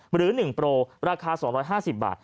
หรือ๑โปรราคา๒๕๐บาท